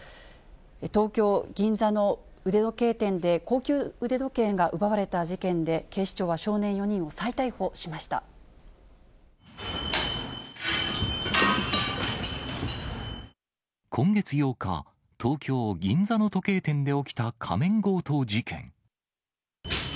東京・銀座の腕時計店で、高級腕時計が奪われた事件で、警視庁は今月８日、東京・銀座の時計店で起きた仮面強盗事件。